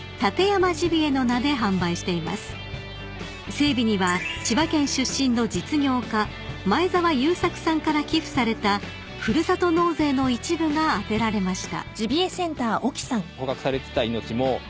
［整備には千葉県出身の実業家前澤友作さんから寄付されたふるさと納税の一部が充てられました］